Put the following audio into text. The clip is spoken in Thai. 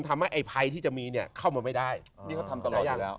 ทำให้ไอ้ภัยที่จะมีเนี่ยเข้ามาไม่ได้นี่เขาทำกันหลายอย่างแล้ว